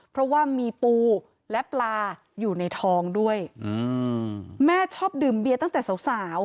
เพราะว่ามีปูและปลาอยู่ในทองด้วยอืมแม่ชอบดื่มเบียตั้งแต่สาวสาว